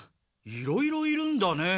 いろいろいるんだね。